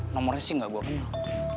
nomornya sih gak gue kenal